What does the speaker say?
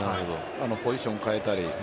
ポジションを変えたり。